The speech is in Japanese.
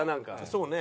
そうね。